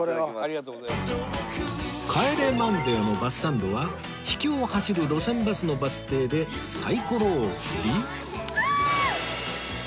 『帰れマンデー』のバスサンドは秘境を走る路線バスのバス停でサイコロを振り